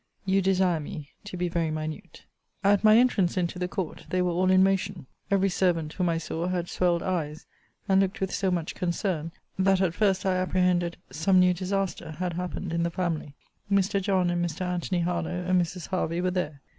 You desire me to be very minute. At my entrance into the court, they were all in motion. Every servant whom I saw had swelled eyes, and looked with so much concern, that at first I apprehended some new disaster had happened in the family. Mr. John and Mr. Antony Harlowe and Mrs. Hervey were there.